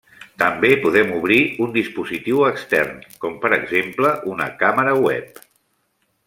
També podem obrir un dispositiu extern, com per exemple una càmera web.